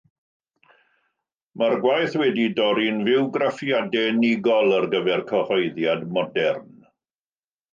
Mae'r gwaith wedi'i dorri'n fywgraffiadau unigol ar gyfer cyhoeddiad modern.